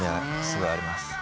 すごいあります。